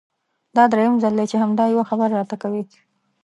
دا درېيم ځل دی چې همدا يوه خبره راته کوې!